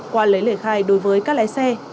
qua lấy lời khai đối với các lái xe